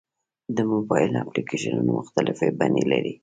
د موبایل اپلیکیشنونه مختلفې بڼې لري.